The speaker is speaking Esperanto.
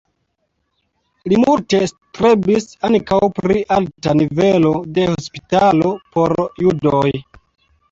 Li multe strebis ankaŭ pri alta nivelo de hospitalo por judoj.